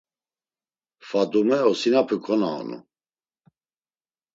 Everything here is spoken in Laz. Fadume osinapu konaonu.